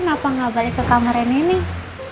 neneng kenapa gak balik ke kamarnya neneng